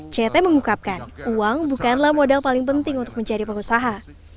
ct mengungkapkan uang bukanlah modal paling penting untuk mencari pengusaha